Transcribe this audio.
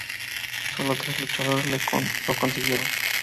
Sólo tres luchadores lo consiguieron.